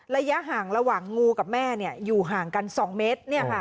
ระยะห่างระหว่างงูกับแม่เนี่ยอยู่ห่างกัน๒เมตรเนี่ยค่ะ